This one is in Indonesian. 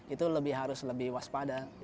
itu lebih harus lebih kuas pada